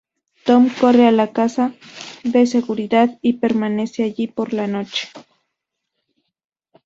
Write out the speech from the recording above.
Tom corre a la casa de seguridad y permanece allí por la noche.